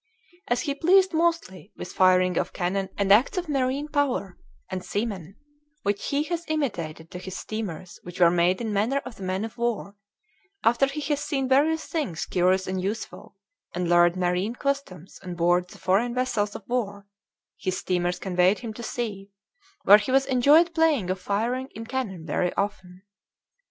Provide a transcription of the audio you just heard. "As he pleased mostly with firing of cannon and acts of Marine power and seamen, which he has imitated to his steamers which were made in manner of the man of war, after he has seen various things curious and useful, and learned Marine customs on board the foreign vessels of war, his steamers conveyed him to sea, where he has enjoyed playing of firing in cannon very often....